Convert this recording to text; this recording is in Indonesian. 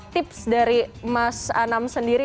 tips dari mas anam sendiri